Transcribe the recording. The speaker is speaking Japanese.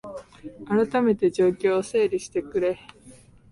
あらためて状況を整理してくれ